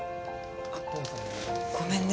あっごめんね。